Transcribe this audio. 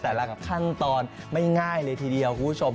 แต่ละขั้นตอนไม่ง่ายเลยทีเดียวคุณผู้ชม